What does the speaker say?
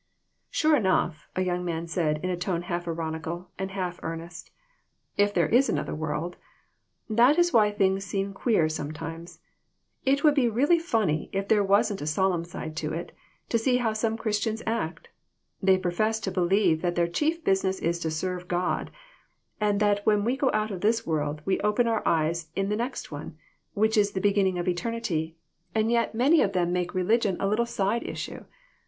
"Sure enough!" a young man said in a tone half ironical and half earnest ;" there is another world ! That is why things seem queer some cimes. It would be really funny, if there wasn't a solemn side to it, to see how some Christians act. They profess to believe that their chief business is to serve God, and that when we go out of this world we open our eyes in the next one which is the beginning of eternity and yet many of 23O THIS WORLD, AND THE OTHER ONE. them make religion a little side issue.